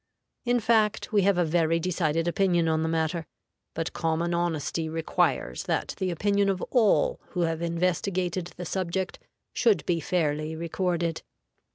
In fact, we have a very decided opinion on the matter, but common honesty requires that the opinion of all who have investigated the subject should be fairly recorded.